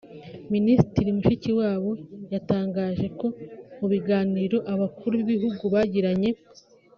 Minisitiri Mushikiwabo yatangaje ko mu biganiro abakuru b’ibihugu bagiranye